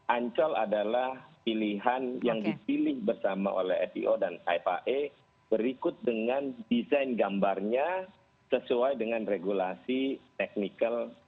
ancol adalah pilihan yang dipilih bersama oleh fio dan fifa berikut dengan desain gambarnya sesuai dengan regulasi technical